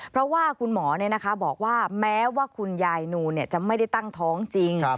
เพราะว่าคุณหมอบอกว่าแม้ว่าคุณยายนูจะไม่ได้ตั้งท้องจริง